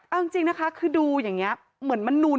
เอิ้นจริงนะคะคือดูอย่างเงี้ย